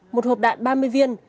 một hộp đạn ba mươi viên